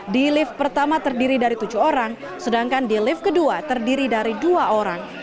di lift pertama terdiri dari tujuh orang sedangkan di lift kedua terdiri dari dua orang